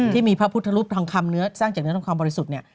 ที่มีพระพุทธรูปทองคำเนื้อสร้างจากเนื้อทองคำบริสุทธิ์เนี่ย